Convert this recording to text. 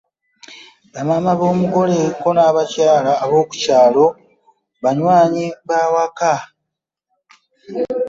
Bamaama b’omugole ko n’abakyala ab’oku kyalo, banywanyi b’awaka bakeera kubuulirira mugole.